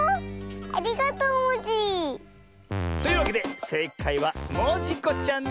ありがとうモジ！というわけでせいかいはモジコちゃんでした！